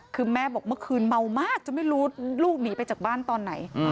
คือแม่บอกเมื่อคืนเมามากจนไม่รู้ลูกหนีไปจากบ้านตอนไหน